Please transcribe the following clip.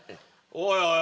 おいおい